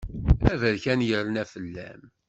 Aberkan yerna fell-am.